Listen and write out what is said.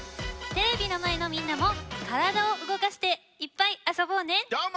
テレビのまえのみんなもからだをうごかしていっぱいあそぼうね。